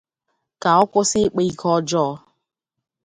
ka ọ kwụsị ịkpa ike ọjọọ